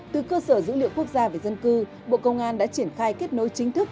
từ cơ sở dữ liệu quốc gia về dân cư bộ công an đã triển khai kết nối chính thức